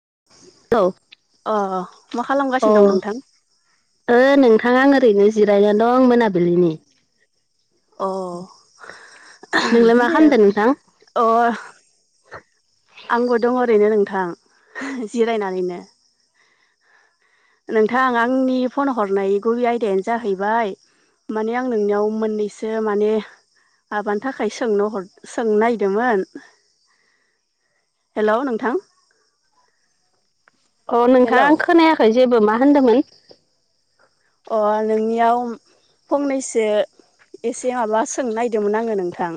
[unintelligible] अ'। मा अ खालामगासिनो दं नोंथां ओ नोंथाङां ओरैनो जिरायनानै दं मोनाबिलिनि। अ नोंलाय मा दे खालामदो नोंथां अ। आंबो दं ओरैनो नोंथां जिरायनानैनो। नोंथां आंनि फन हरनाय गुबै आयदायानो जाहैबाय माने आं नोंनियाव मोननैसो माने आबानि थाखाय सोंनो हर सोंनो नागिरदोंमोन। हेलौ नोंथां। अ हेलौ नोंथाङा आं खोनायाखै जेबो मा होनदोंमोन? अ नोंनियाव फंनैसो। एसे माबा सोंनो नागिरदोंमोन आङो नोंथां।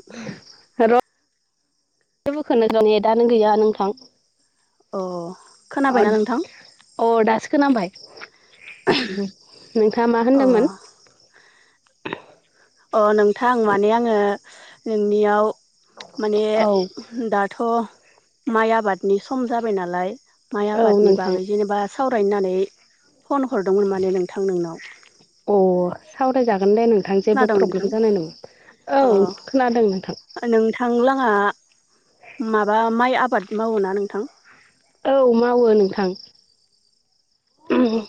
र' बखनो ज' ने दानो गैया नोंथां। अ अ खोनाबायना नोंथां अ दासो नांबाय। नोंथाङा मा अ होनदोंमोन? अ नोंथां माने आङो नोंनियाव माने औ दाथ' माइ आबादनि सम जाबाय नालाय माइ औ आबादनि नोंथां बागै जेनबा सावरायनानै फन हरदोंमोन माने नोंथां नोंनाव। अ सावरायजागोन दे नोंथां जेबो खोनादोंं प्रब्लेम नोंथां जानाय नङा औ खोनादों नोंथां अ नोंथां लाहा माबा माइ आबाद मावोना नोंथां? औ मावो नोंथां। ओम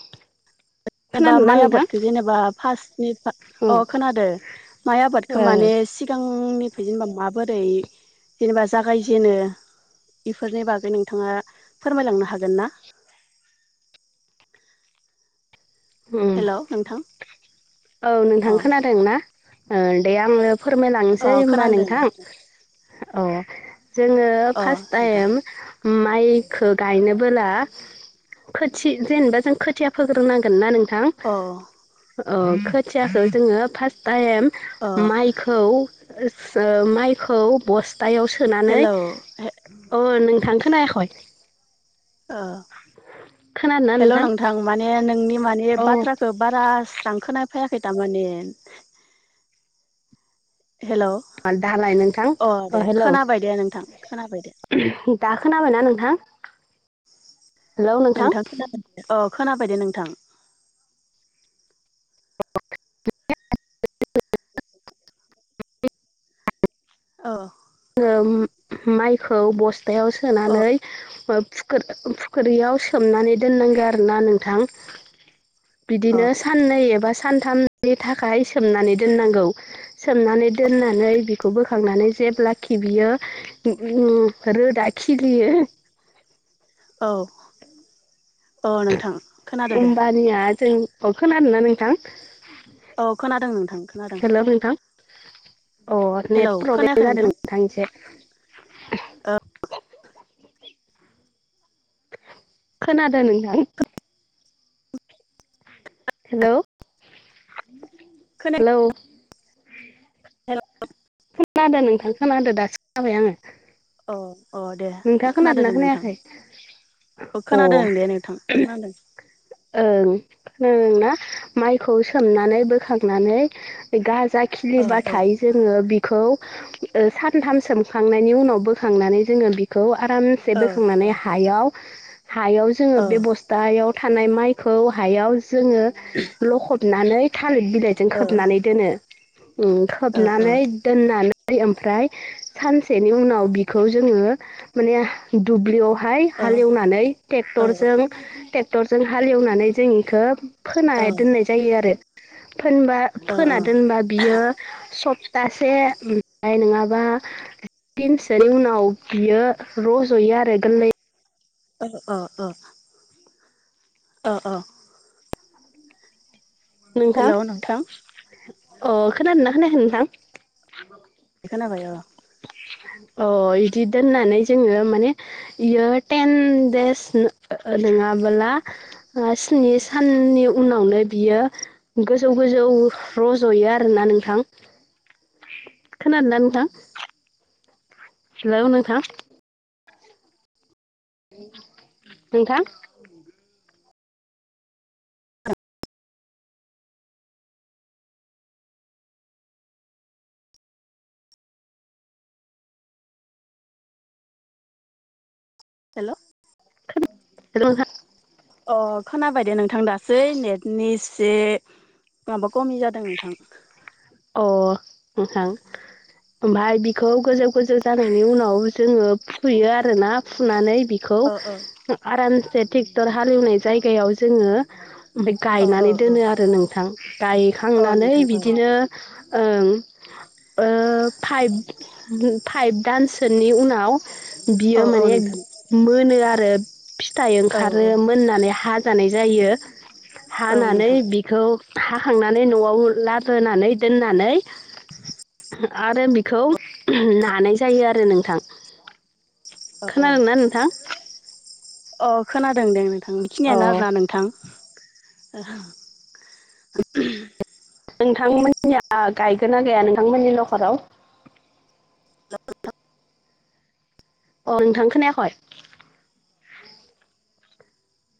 जेनेबा माइ आबादखौ जेनेबा फार्स्टनि औ अ खोनादों। माइ आबादखौ ओ माने सिगांनि जेनेबा माबोरै जेनेबा जागायजेनो बेफोरनि बागै नोंथाङा फोरमायलांनो हागोन ना? उम हेलौ नोंथां औ अ नोंथां खोनादोंना ओ दे आङो अ फोरमायलांनोसै होनबा खोनांदों नोंथां अ जोङो अ फार्स्ट नोंथां टाइम माइखो गायनोबोला खोथि जेनेबा जों खोथिया फोग्रो नांगोन। अ अ खोथियाखौ जोङो फार्स्ट टाइम अ माइखौ ओ माइखौ बस्थायाव सोनानै हेलौ अ नों थांखोनायाखै? ओ हेल' नोंथां माने नों नि माने अ बाथ्राखौ बारा स्रां खोनाया। फैया खैथामानि हेल दालाय नोंथां अ दे हेलौ खोनाबाय दे नोंथां खोनाबाय दे। दाखोना बायना नोंथां? नोंथां खोनाबाय अ खोनाबायदे नोंथां। [unintelligible] [inaudible] [inaudible] औ ओम मायखौ बस्थायाव सोनानै फुखि फुख्रियाव सोमनानै सोमनानै दोननांगोन आरोना नोंथां। [inaudible] बिदिनो साननै एबा सानथामनि थाखाय सोमनानै दोननांगौ सोमनानै दोननानै बिखौ बोखांनानै जेब्ला खि बियो उम रोदा खिलियो औ औ नोंथां खोनादो दे होमबानिया जों अ खोनादोंना नोंथां। औ खोनादों नोंथां खोनादों। हेल' नोंथां अ हेलौ नेट प्रब्लेम खोनायाखै जादों नोंथां इसे। ओ खोनादों नोंथां। हेलौ खोनायाखै हेलौ हेल' खोनादों नोंथां खोनादो दासो खोनाबाय आङो अ अ दे नोंथाङा खोनादों खोनादोंना दे नोंथां। खोनायाखै अ खोनादों दे नोंथां खोनादों। ओं [unintelligible] ना माइखौ सोमनानै बोखांनानै गा जा औ औ खिलिबाथाय जोङो बिख खौ सानथाम सोमखांनायनि उनाव बोखांनानै जोङो बिखौ - आरामसे औ औ बोखांनानै हायाव हायाव जोङो औ बे बस्थायाव थानाय माइखौ हायाव जोङो लखबनानै थालिर बिलाइजों औ खोबनानै दोनो औ औ खोबनानै दोननान ओमफ्राय सानसेनि उनाव बिखौ जोङो माने दुब्लियाव औ हालेवनानै औ टेक्टरजों टेक्टरजों हालेवनानै जों इखो फोना औ दोननाय जायो आरो फोनबा फोना औ दोनबा बियो सब थासे ओमफ्राय नङाबा दिनसनि उनाव बियो र'ज'यो आरोे गोरलै औ औ औ ओ ओ नोंथां हेल' नोंथां अ खोनादोंना खोनायाखै नोंथां खोनाबाय अ अ इदि दोननानै जोङो माने इयो टेन देस नङाबोला ओ स्नि साननि उनावनो बियो गोजौ गोजौ रज'यो आरोना नोंथां खोनादों ना नोंथां? हेलौ नोंथां नोंथां हेल' हेल नोंथा अ खोनाबायदे नोंथां दासो नेटनि से माबा खमि जादों नोंथां अ नोंथां ओमफाय बिखौ गोजौ गोजौ जानायनि उनाव जोङो फुयो आरो ना फुनानै बेखौ औ औ आरामसे ट्रेक्टर हालेवनाय जायगायाव जोङो ओमफ्राय औ औ गायनानै औ दोनो आरो नोंथां औ गायखांनानै नोंथां औ बिदिनो ओम ओ फाइभ फाइभ दानसोनि उनाव औ बियो औ माने नोंथां मोनो आरो फिथाइ औ ओंखारो औ मोननानै हाजानाय जायो औ हानानै नोंथां बिखौ हाखांनानै न'आव लाबोनानै दोननानै [inaudible] आरो बिखौ नानाय जायो आरो नोंथां। औ औ खोनादोंना नोंथां अ खोनादों दे नोंथां अ बेखिनियानो आरोना नोंथां [inaudible] नोंथांमोनिया गायगोना गैया नोंथांमोननि नखराव अ नोंथां खोनायाखय?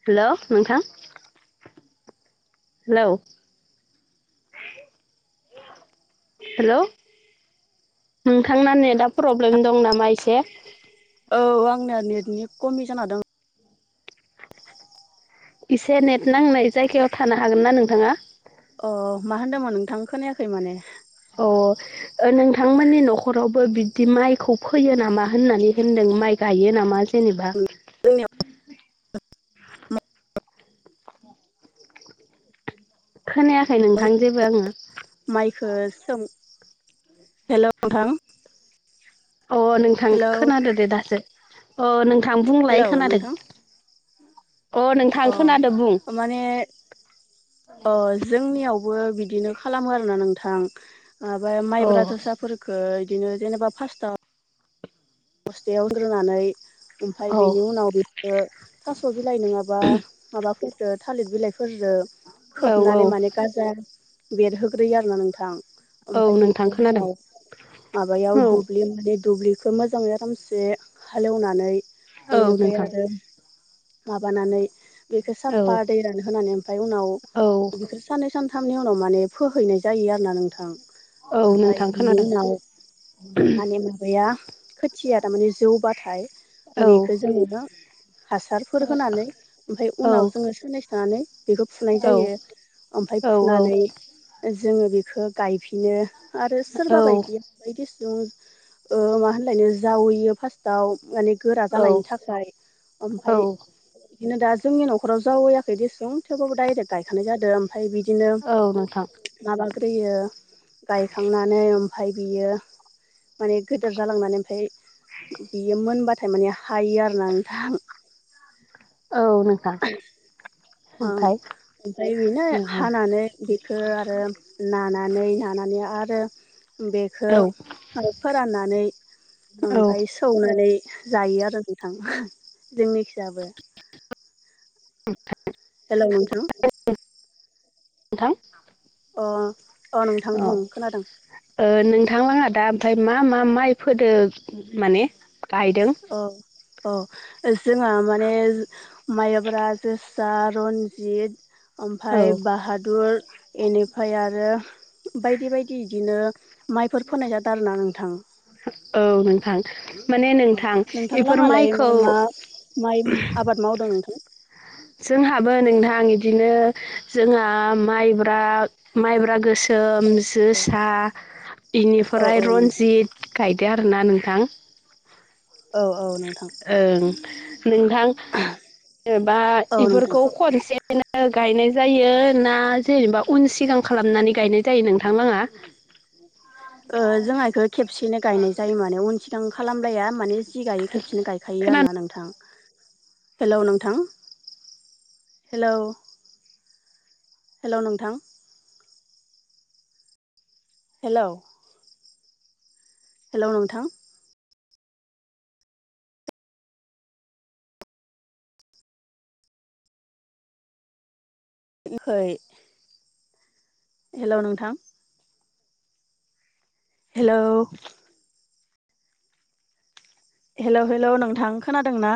हेल' नोंथां हेलौ हेल' नोंथांना नेदा प्रब्लेम दं नामा एसे? औ आंनिया नेटनि कमि जाना दों एसे नेट नांनाय जायगायाव थानो हागोन ना नोंथाङा? अ मा होनदोंमोन नोंथां खोनायाखै माने अ ओ नोंथांमोननि न'खरावबो बिदि माइखौ फोयो नामा होननानै होनदों माइ गायो नामा जेनेबा? [unintelligible] खोनायाखै नोंथां जेबो आङो। खो सोम हेल' नोंथां। अ नोंथां हेल' खोनादो दे दासो अ नोंथां हेल' बुंलाय खोनादो। नोंथां अ नोंथां बुं अ माने अ जोंनियाव बो बिदिनो खालामो आरोना नोंथां ओ बाय अ माइब्रा जोसाफोरखो दिनो जेनेबा फार्स्टआव बस्थायाव होग्रोनानै ओमफाय औ बिनि उनाव बेखो थास' बिलाइ नोङाबा माबाफोर ओ थालिर बिलाइफोरजो औ औ खोबनानै माने गाजा बेरहोग्रोयो आरो ना नोंथां। औ ओमफाय नोंथां बेखौ खोनादों उनाव माबायाव औ दुब्लि माने दुब्लिखौ मोजां खामसे हालेवनानै औ बेनिफाय नोंथां आरो माबानानै बेखो औ साफा दै रान होनानै ओमफाय उनाव औ [unintelligible] साननै सान थामनि उनाव माने फोहैनाय जायो आरोना नोंथां। औ ओमफाय नोंथां बिनि खोनादों उनाव माने माबाया खोथिया तामाने जौबाथाय औ बिखो जोङो हासार फोर औ होनानै ओमफाय औ उनाव जोङो साननैसो थानानै बेखौ फुनाय औ जायो ओमफाय औ फुनानै जोङो बिखो गायफिनो आरो सोरबा औ बायदिया बायदिस [unintelligible] ओ मा होनलायनो जावैयो फास्टाव माने गोरा जानायनि थाखाय औ ओमफाय दिनो दा जोंनि न'खराव जावैयाखै देसुं थेवबाबो डायरेक्ट गायखानाय जादो। फाय बिदिनो औ नोंथां माबाग्रोयो गायखांनानै ओमफाय बियो माने गोदोर जालांनानै ओमफाय बियो मोनबाथाय माने हायो आरो ना नोंथां। [unintelligible] ओं ओमफ्राय ओमफ्राय बेनो औ हानानै बेखो आरो नानानै नाना माने आरो बेखो औ फोराननानै नोंथां ओमफाय सौनानै जायो आरो नोंथां जोंनिखिजाबो। हेलौ नोंथां। नोंथां [inaudible] अ नोंथां अ ओ बुं खोनादों नोंथांलाहा दा ओमफाय मा मा माइ फोदो माने गायदों? अ जोंहा माने माइब्रा जोसा रन्जित औ ओमफाय बाहादुर इनिफाय आरो बायदि बायदि इदिनो माइफोर फोनाय जादो आरो ना नोंथां। औ नोंथां। माने औ नोंथां नोंथां बइफोर लाहालाय माइखौ मा मा माइ आबाद मावदों नोंथां जोंहाबो नोंथां इदिनो जोंहा माइब्रा माइब्रा गोस सोम जोसा औ इनिफ्राय औ नोंथां रन्जित गाय दो आरोना नोंथां। औ औ नों ओं नोंथां ओ बा औ नोंथां बइफोरखौ खनसे [unintelligible] नो गायनाय जायो ना जेनेबा उन सिगां खालामनानै गायनाय जायो नोंथांलाङा? ओ जोङा इखो खेबसेनो गायनाय जायो माने उन सिगां खालामलाया माने जि गायो खेबसेनो गायखायो खोनानो आरोना नोंथां। हेलौ नोंथां हेलौ हेल' नोंथां। हेल'। हेल' नोंथां। हेल' नोंथां। हेल'। हेलौ हेलौ नोंथां खोनादों ना?